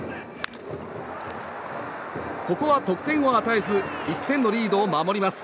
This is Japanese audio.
ここは得点を与えず１点のリードを守ります。